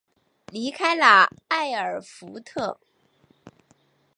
离开了艾尔福特。